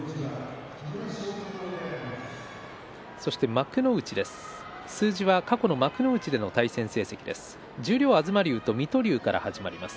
幕内です。